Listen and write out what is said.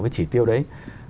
cái chỉ tiêu đấy